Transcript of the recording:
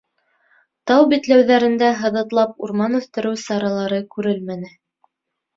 Тау битләүҙәрендә һыҙатлап урман үҫтереү саралары күрелмәне.